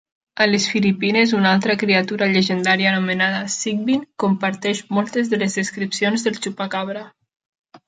A les Filipines, una altra criatura llegendària anomenada Sigbin comparteix moltes de les descripcions del "chupacabra".